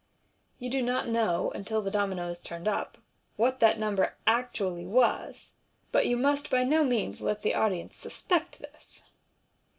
You do not know, until the domino is turned up, what that number actually was, but you must by no means let the audience suspect this.